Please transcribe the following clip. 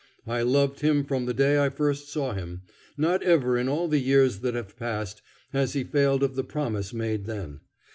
I loved him from the day I first saw him; nor ever in all the years that have passed has he failed of the promise made then.